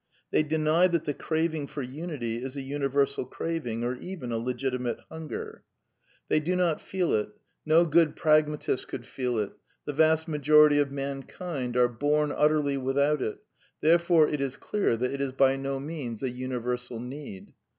They deny that the craving for unity is a uni versal craving, or even a legitimate hunger. They do not 127 128 A DEFENCE OF IDEALISM feel it ; no good pragmatist could feel it ; the vast majority of mankind are bom utterly without it; therefore it is clear that it is by no means a universal need.